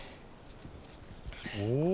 お？